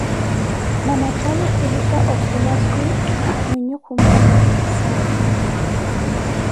na mathavi khulika okhola swi mwinhe khumpatha tensau